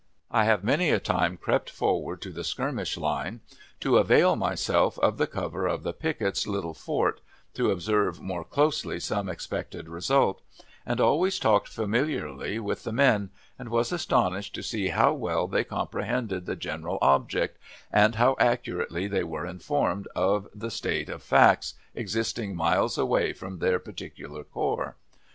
I have many a time crept forward to the skirmish line to avail myself of the cover of the pickets "little fort," to observe more closely some expected result; and always talked familiarly with the men, and was astonished to see how well they comprehended the general object, and how accurately they were informed of the sate of facts existing miles away from their particular corps.